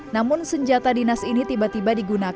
namun senjata dinas ini tiba tiba digunakan